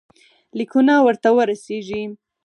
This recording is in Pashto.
لیکونه ورته ورسیږي.